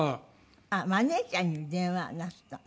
あっマネジャーに電話なすった。